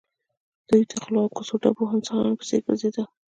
دوی د غلو او کوڅه ډبو انسانانو په څېر ګرځېدل